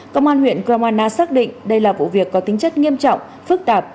công an huyện kromana xác định đây là vụ việc có tính chất nghiêm trọng phức tạp